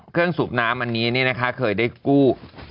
เครื่องสูบน้ำอันนี้นะคะเคยได้กู้